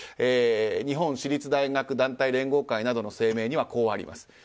日本私立大学団体連合会などの声明には、こうあります。